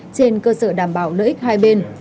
trên cơ sở đảm bảo lợi ích hai bên